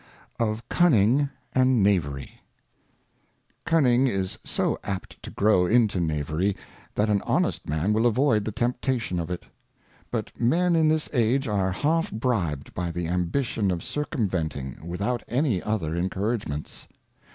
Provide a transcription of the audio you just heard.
Of Cunning and Knayery. CUNNING is so apt to grow into Knaveiy, that an honest Man will avoid the Temptation of it. But Men in this Age are half bribed by the Ambition of circumventing, with out any other encouragements.